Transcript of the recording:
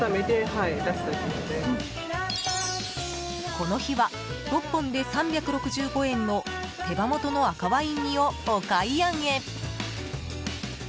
この日は６本で３６５円の手羽元の赤ワイン煮をお買い上げ。